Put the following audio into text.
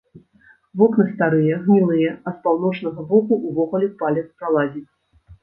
Вокны старыя, гнілыя, а з паўночнага боку ўвогуле палец пралазіць.